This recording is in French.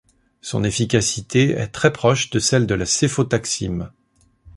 Son efficacité est très proche de celle de la céfotaxime.